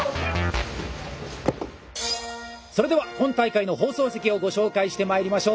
それでは今大会の放送席をご紹介してまいりましょう。